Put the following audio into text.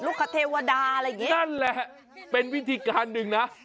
คเทวดาอะไรอย่างนี้นั่นแหละเป็นวิธีการหนึ่งนะ